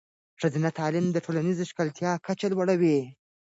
ښځینه تعلیم د ټولنیزې ښکیلتیا کچه لوړوي.